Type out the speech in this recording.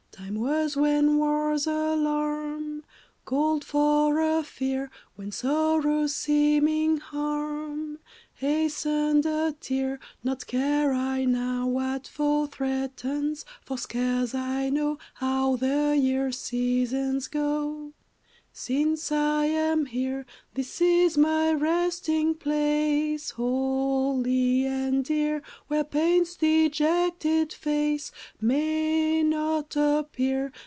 Time was when war's alarm Called for a fear, When sorrow's seeming harm Hastened a tear; Naught care I now what foe Threatens, for scarce I know How the year's seasons go Since I am here. This is my resting place Holy and dear, Where Pain's dejected face May not appear.